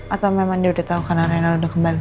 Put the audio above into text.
atau memang dia udah tau karena rina udah kembali